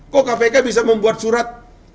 kok kpk bisa membuat surat